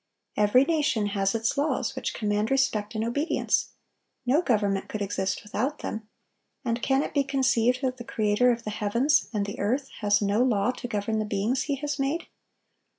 Every nation has its laws, which command respect and obedience; no government could exist without them; and can it be conceived that the Creator of the heavens and the earth has no law to govern the beings He has made?